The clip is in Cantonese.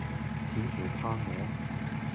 似乎怕我，